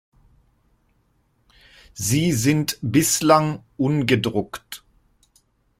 Sie sind bislang ungedruckt.